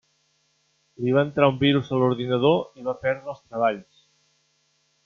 Li va entrar un virus a l'ordinador i va perdre els treballs.